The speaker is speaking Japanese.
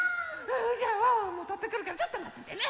じゃあワンワンもとってくるからちょっとまっててね！